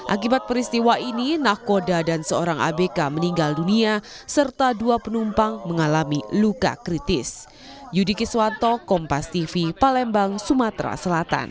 akibat peristiwa ini nakoda dan seorang abk meninggal dunia serta dua penumpang mengalami luka kritis